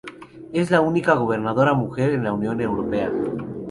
Es la única gobernadora mujer en la Unión Europea.